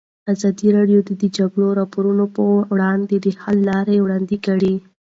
ازادي راډیو د د جګړې راپورونه پر وړاندې د حل لارې وړاندې کړي.